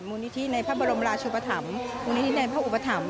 มูลนิธิในพระบรมราชุปธรรมมูลนิธิในพระอุปถัมภ